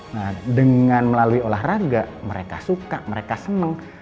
nah dengan melalui olahraga mereka suka mereka senang